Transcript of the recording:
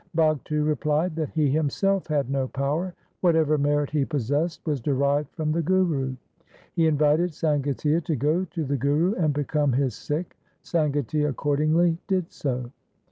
Bhagtu replied that he himself had no power. Whatever merit he possessed was derived from the Guru. He invited Sangatia to go to the Guru and become his Sikh. Sangatia accordingly did so.